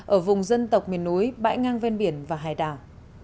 ở vùng dân tộc miền núi bãi ngang ven biển và hải đảo